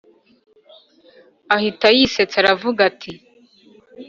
ahita yitsetsa aravuga ati